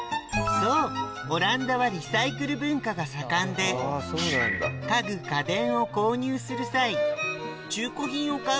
そうオランダはリサイクル文化が盛んで家具家電を購入する際中古品を買う